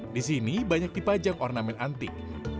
di sini banyak dipajang ornamen antik